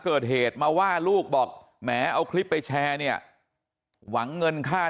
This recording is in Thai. เกิดเหตุมาว่าลูกบอกแหมเอาคลิปไปแชร์เนี่ยหวังเงินค่า